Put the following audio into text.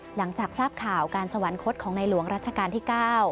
หลังจากทราบข่าวการสวรรคตของในหลวงรัชกาลที่๙